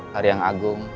hari yang agung